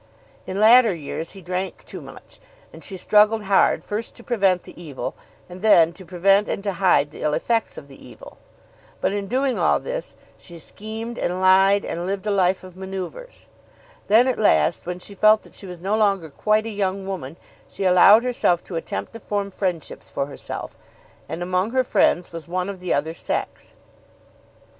In latter years he drank too much, and she struggled hard first to prevent the evil, and then to prevent and to hide the ill effects of the evil. But in doing all this she schemed, and lied, and lived a life of manoeuvres. Then, at last, when she felt that she was no longer quite a young woman, she allowed herself to attempt to form friendships for herself, and among her friends was one of the other sex.